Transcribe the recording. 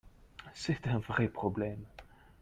C’est un vrai problème.